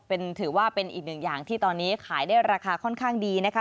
ถือว่าเป็นอีกหนึ่งอย่างที่ตอนนี้ขายได้ราคาค่อนข้างดีนะคะ